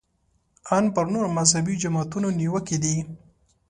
ان پر نورو مذهبي جماعتونو نیوکې دي.